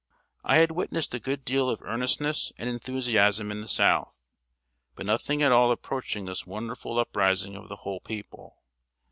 I had witnessed a good deal of earnestness and enthusiasm in the South, but nothing at all approaching this wonderful uprising of the whole people.